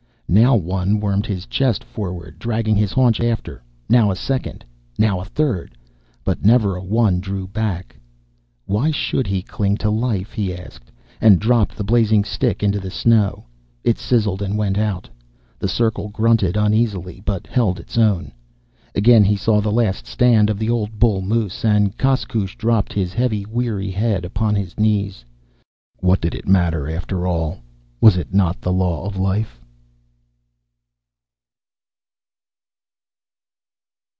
Now one wormed his chest forward, dragging his haunches after, now a second, now a third; but never a one drew back. Why should he cling to life? he asked, and dropped the blazing stick into the snow. It sizzled and went out. The circle grunted uneasily, but held its own. Again he saw the last stand of the old bull moose, and Koskoosh dropped his head wearily upon his knees. What did it matter after all? Was it not the law of life?